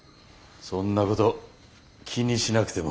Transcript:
そんなこと気にしなくても。